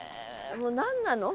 もう何なの？